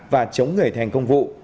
và chống người thi hành công vụ